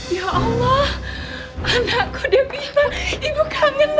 ya allah anakku udah pindah ibu kangen aku